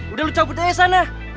udah lo cabut aja sana